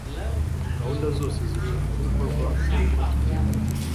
gahunda zose zigomba gukorwa mbere yuko tugenda